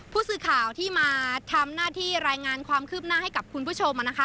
ผู้สื่อข่าวที่มาทำหน้าที่รายงานความคืบหน้าให้กับคุณผู้ชมนะคะ